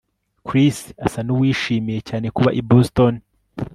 Chris asa nuwishimiye cyane kuba i Boston